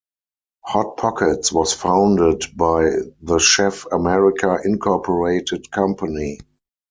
Hot Pockets was founded by the Chef America Incorporated company.